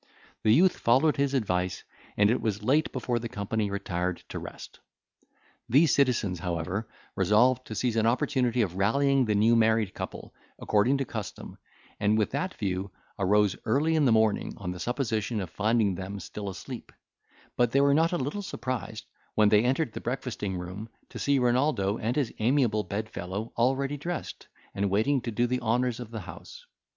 The youth followed his advice, and it was late before the company retired to rest. These citizens, however, resolved to seize an opportunity of rallying the new married couple, according to custom, and with that view arose early in the morning, on the supposition of finding them still asleep; but they were not a little surprised, when they entered the breakfasting room, to see Renaldo, and his amiable bed fellow, already dressed, and awaiting to do the honours of the house.